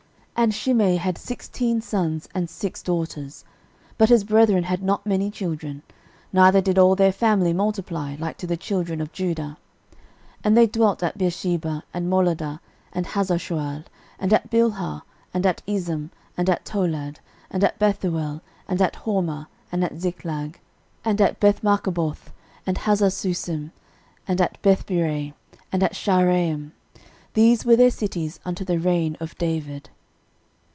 13:004:027 And Shimei had sixteen sons and six daughters: but his brethren had not many children, neither did all their family multiply, like to the children of Judah. 13:004:028 And they dwelt at Beersheba, and Moladah, and Hazarshual, 13:004:029 And at Bilhah, and at Ezem, and at Tolad, 13:004:030 And at Bethuel, and at Hormah, and at Ziklag, 13:004:031 And at Bethmarcaboth, and Hazarsusim, and at Bethbirei, and at Shaaraim. These were their cities unto the reign of David.